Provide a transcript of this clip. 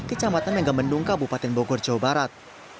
kecamatan megamendung kabupaten bogor jawa barat